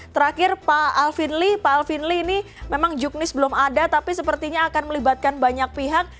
terakhir pak alvin lee pak alvin lee ini memang juknis belum ada tapi sepertinya akan melibatkan banyak pihak